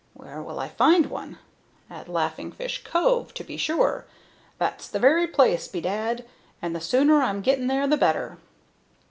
Where will I find one? At Laughing Fish Cove, to be sure. That's the very place, bedad! and the sooner I'm getting there the better."